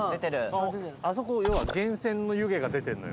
あそこ要は源泉の湯気が出てるのよ。